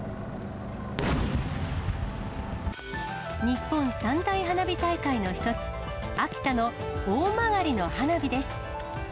日本三大花火大会の一つ、秋田の大曲の花火です。